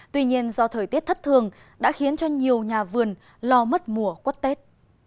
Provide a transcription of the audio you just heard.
tuy nhiên do thời tiết thất thường đã khiến cho nhiều nhà vườn lo mất mùa quất tết